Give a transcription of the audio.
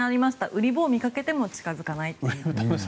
ウリ坊を見かけても近付かないという。